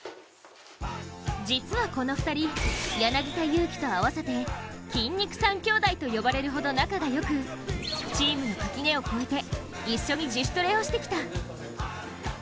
実はこの２人、柳田悠岐と合わせて筋肉三兄弟と呼ばれるほど仲が良く、チームの垣根を超えて一緒に自主トレをしてきた。